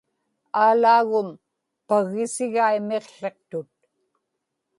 Aalaagum paggisigai miqłiqtut